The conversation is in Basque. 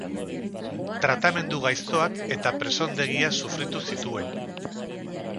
Tratamendu gaiztoak eta presondegia sufritu zituen.